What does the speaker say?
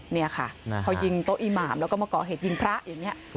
นี่ค่ะพอยิงโต๊ะอีหมามแล้วก็มาก่อเหตุยิงพระอย่างนี้